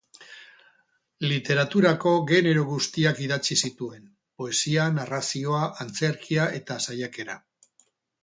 Literaturako genero guztiak idatzi zituen: poesia, narrazioa, antzerkia eta saiakera.